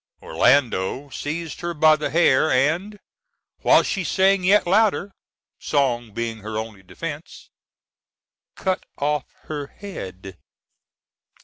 Orlando seized her by the hair, and while she sang yet louder (song being her only defence) cut off her head.